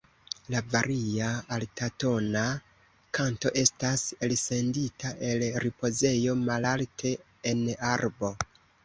La varia, altatona kanto estas elsendita el ripozejo malalte en arbo.